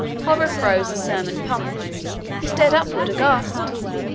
Horror froze the sermon pump. He stared upward aghast.